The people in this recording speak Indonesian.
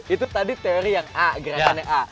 itu tadi teori yang a gerakan